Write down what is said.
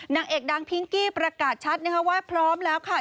นางเอกดังพิงกี้ประกาศชัดนะคะว่าพร้อมแล้วค่ะ